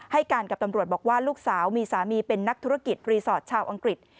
ให้การกับตำรวจบอกว่าลูกสาวมีสามีเป็นนักธุรกิจรีสอร์ทชาวอังกฤษ